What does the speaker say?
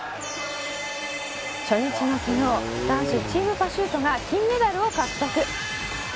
初日の昨日、男子チームパシュートが金メダルを獲得。